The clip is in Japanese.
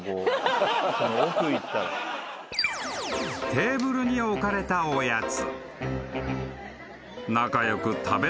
［テーブルに置かれたおやつ］